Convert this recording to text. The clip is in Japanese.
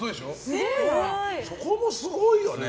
そこもすごいよね。